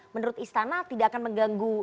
menurut istana tidak akan mengganggu